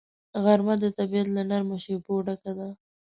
غرمه د طبیعت له نرمو شیبو ډکه ده